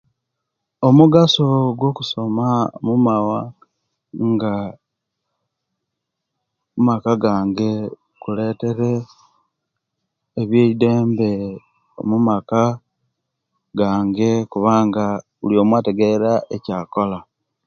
Omugaso gwo kusoma omumwanga aa omumaka gange kuletere ebye dembe omumaka gange kubanga buliyomu ategera ekyakola